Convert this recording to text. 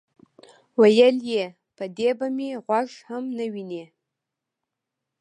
ویل یې: په دې به مې غوږ هم نه وینئ.